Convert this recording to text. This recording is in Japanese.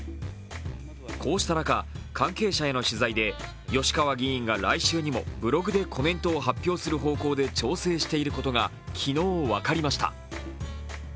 こうした中、関係者への取材で吉川議員が来週にもブログでコメントを発表する方向で調整していることが昨日、分かりました。